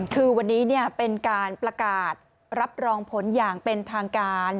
คือวันนี้เป็นการประกาศรับรองผลอย่างเป็นทางการ